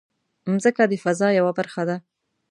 مځکه د فضا یوه برخه ده.